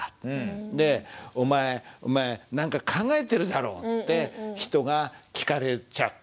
で「お前何か考えてるだろ」って人が聞かれちゃった。